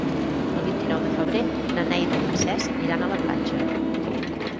El vint-i-nou de febrer na Neida i en Cesc iran a la platja.